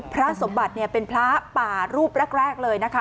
พระสมบัติเป็นพระป่ารูปแรกเลยนะคะ